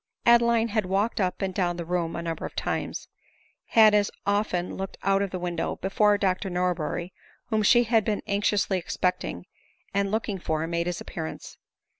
Adeline had walked up and down the room a number of times, had as often looked out of the window, before Dr Norberry, whom she had been anxiously expecting and looking for, made his appearance.